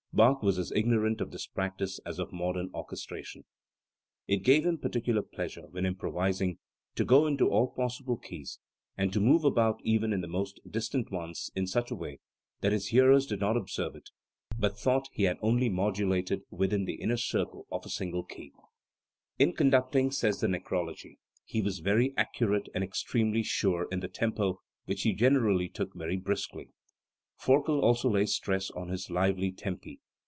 Bach was as ignorant of this practice as of modern orchestration. It gave him particular pleasure, when improvising, to go into all possible keys, and to move about even in the most distant ones in such a way that his hearers did not observe it, but thought he had only modulated within the inner circle of a single key. "In conducting", says the Necrology, "he was very accurate, and extremely sure in the tempo, which he gen erally took very briskly." Forkel also lays stress on his lively tempi.